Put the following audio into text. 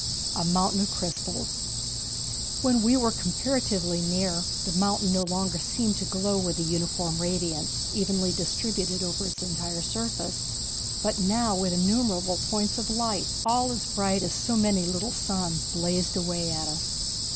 A Mountain of Crystals. When we were comparatively near, the mountain no longer seemed to glow with a uniform radiance, evenly distributed over its entire surface, but now innumerable points of light, all as bright as so many little suns, blazed away at us.